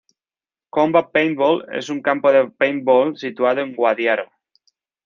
Comba Paintball es un campo de paintball situado en Guadiaro.